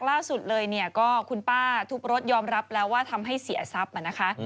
ล่าสุดเลยเนี่ยก็คุณป้าทุบรถยอมรับแล้วว่าทำให้เสียทรัพย์นะคะ